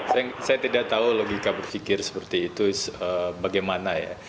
saya tidak tahu logika berpikir seperti itu bagaimana ya